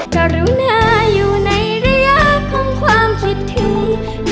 กรุณาอยู่ในระยะของความคิดถึง